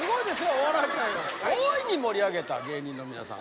お笑い界を大いに盛り上げた芸人の皆さん